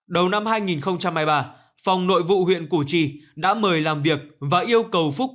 đầu năm hai nghìn hai mươi ba phòng nội vụ huyện củ chi đã mời làm việc và yêu cầu phúc